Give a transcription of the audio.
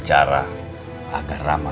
cara agar rama